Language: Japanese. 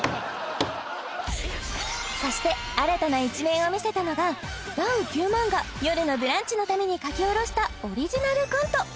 そして新たな一面を見せたのがダウ９００００が「よるのブランチ」のために書き下ろしたオリジナルコント